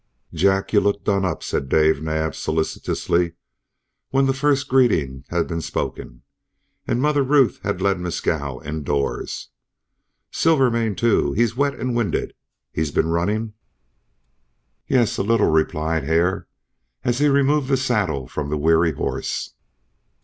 "Jack, you look done up," said Dave Naab solicitously, when the first greetings had been spoken, and Mother Ruth had led Mescal indoors. "Silvermane, too he's wet and winded. He's been running?" "Yes, a little," replied Hare, as he removed the saddle from the weary horse.